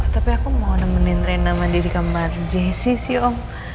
tapi aku mau nemenin rena mandi di kamar jesse sih om